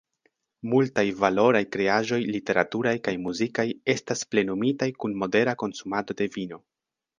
Multaj valoraj kreaĵoj literaturaj kaj muzikaj estas plenumitaj kun modera konsumado de vino.